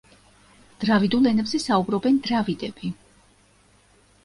დრავიდულ ენებზე საუბრობენ დრავიდები.